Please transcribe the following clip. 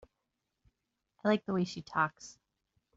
I like the way she talks.